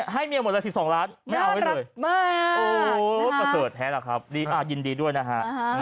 ให้เมียหมดเลย๑๒ล้านไม่เอาไว้เลยประเสริฐแท้ล่ะครับยินดีด้วยนะฮะ